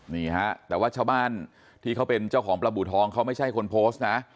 นี่ฮะแต่ว่าชาวบ้านที่เขาเป็นเจ้าของปลาบูทองเขาไม่ใช่คนโพสต์นะ